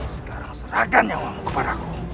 sekarang serahkan yang kamu kepada aku